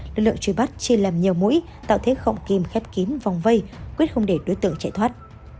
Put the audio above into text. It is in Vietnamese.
lực lượng trí bắt chiên làm nhiều mũi tạo thế khọng kim khép kím vòng vây quyết không để đối tượng chạy thoát